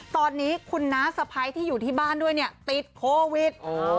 ตอนนี้คุณน้าสะพ้ายที่อยู่ที่บ้านด้วยเนี่ยติดโควิด